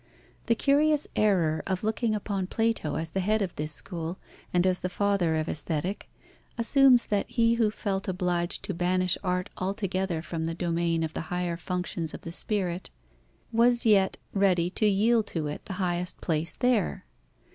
The curious error of looking upon Plato as the head of this school and as the Father of Aesthetic assumes that he who felt obliged to banish art altogether from the domain of the higher functions of the spirit, was yet ready to yield to it the highest place there.